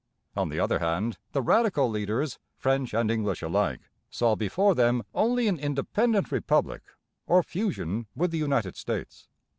On the other hand, the Radical leaders, French and English alike, saw before them only an independent republic, or fusion with the United States.